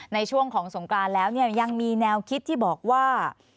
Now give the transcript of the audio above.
ในช่วงของสงกรานแล้วเนี่ยยังมีแนวคิดที่บอกว่า